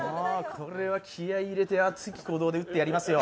これは気合入れて熱き鼓動で打ってやりますよ。